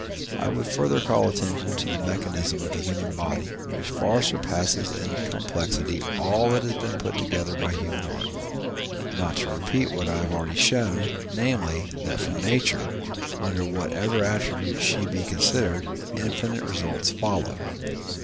I would further call attention to the mechanism of the human body, which far surpasses in complexity all that has been put together by human art, not to repeat what I have already shown, namely, that from nature, under whatever attribute she be considered, infinite results follow.